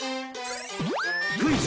クイズ！